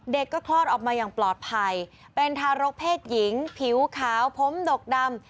เด็กก็คลอดออกมาอย่างปลอดภัยเป็นทารกเพศหญิงผิวขาวผมดกดำ